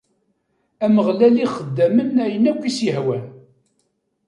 Ameɣlal ixeddem ayen akk i as-ihwan.